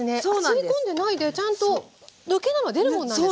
吸い込んでないでちゃんと抜ければ出るもんなんですか？